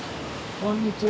こんにちは。